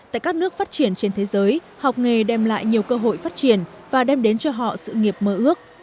tại các nước phát triển trên thế giới học nghề đem lại nhiều cơ hội phát triển và đem đến cho họ sự nghiệp mơ ước